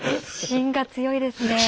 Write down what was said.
芯が強いですねぇ。